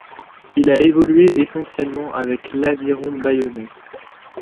Il a évolué essentiellement avec l'Aviron bayonnais.